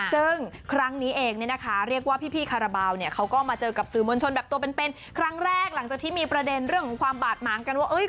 ซึ่งครั้งนี้เองเนี่ยนะคะเรียกว่าพี่คาราบาลเนี่ยเขาก็มาเจอกับสื่อมวลชนแบบตัวเป็นครั้งแรกหลังจากที่มีประเด็นเรื่องของความบาดหมางกันว่า